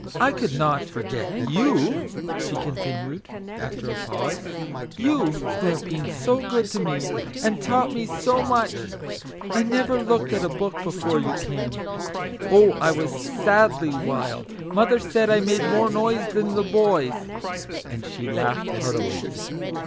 I could not forget YOU !" she continued, after a pause ;<( you, who have been so good to me, and taught me so much ! I never looked at a book before you came. Oh, I was sadly wild ! Mother said I made 14 MAGIC WORDS. more noise than the boys \" And she laughed heartily.